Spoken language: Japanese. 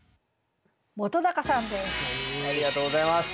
本さんです。